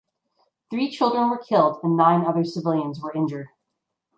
Three children were killed and nine other civilians were injured.